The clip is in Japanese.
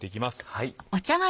はい。